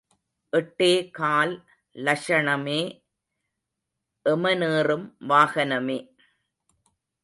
எட்டே கால் லக்ஷணமே, எமனேறும் வாகனமே.